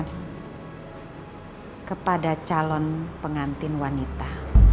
ini diwariskan kepada calon pengantin wanita